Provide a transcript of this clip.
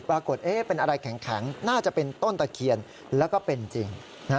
ปรากฏเป็นอะไรแข็งน่าจะเป็นต้นตะเคียนแล้วก็เป็นจริง